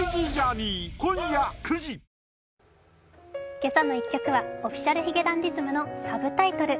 「けさの１曲」はＯｆｆｉｃｉａｌ髭男ｄｉｓｍの「Ｓｕｂｔｉｔｌｅ」。